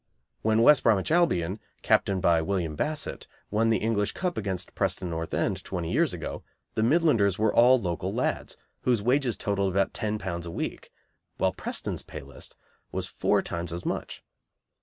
When West Bromwich Albion, captained by William Bassett, won the English Cup against Preston North End twenty years ago, the Midlanders were all local lads, whose wages totalled about ten pounds a week, while Preston's pay list was four times as much.